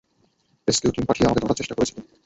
Rescue team পাঠিয়ে আমাকে ধরার চেষ্টা করেছিল।